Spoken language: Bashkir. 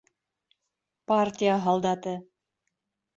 Партия һалдаты